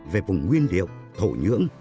về vùng nguyên liệu thổ nhưỡng